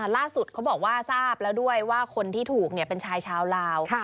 เขาบอกว่าทราบแล้วด้วยว่าคนที่ถูกเป็นชายชาวลาว